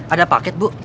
ada paket bu